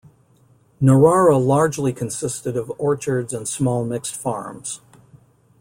Narara largely consisted of orchards and small mixed farms.